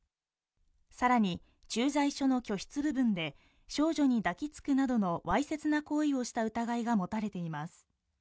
更に、駐在所の居室部分で、少女に抱きつくなどの、わいせつな行為をした疑いが持たれています。